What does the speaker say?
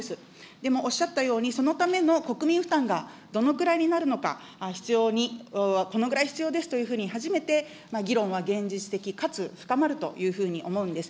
でもおっしゃったように、そのための国民負担がどのくらいになるのか、必要に、このぐらい必要ですというふうに、初めて議論は現実的かつ、深まるというふうに思うんです。